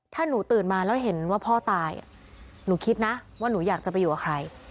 ถ้าหนูตื่นมาแล้วเห็นว่าพ่อตายหนูคิดนะว่าหนูอยากจะไปอยู่กับใคร